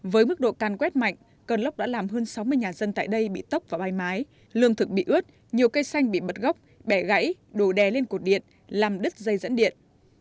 với mức độ can quét mạnh cơn lốc đã làm hơn sáu mươi nhà dân tại đây bị tốc vào bài mái lương thực bị ướt nhiều cây xanh bị bật gốc bẻ gãy đổ đè lên cột điện làm đứt dây dẫn điện